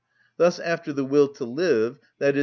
Thus after the will to live, _i.e.